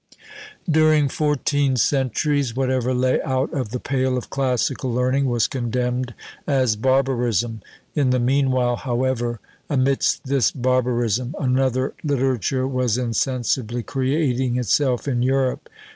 During fourteen centuries, whatever lay out of the pale of classical learning was condemned as barbarism; in the meanwhile, however, amidst this barbarism, another literature was insensibly creating itself in Europe.